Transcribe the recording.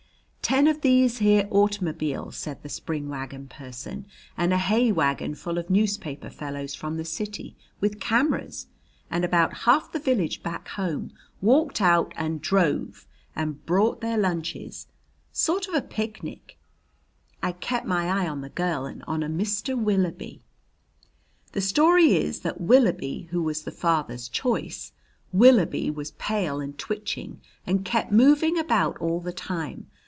"Ten of these here automobiles," said the spring wagon person, "and a hay wagon full of newspaper fellows from the city with cameras, and about half the village back home walked out or druv and brought their lunches sort of a picnic. I kep' my eye on the girl and on a Mr. Willoughby. "The story is that Willoughby who was the father's choice Willoughby was pale and twitching and kep' moving about all the time.